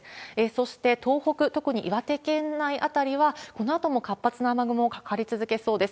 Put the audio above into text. そして東北、特に岩手県内辺りは、このあとも活発な雨雲かかり続けそうです。